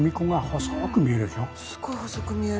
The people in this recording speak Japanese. すごい細く見える。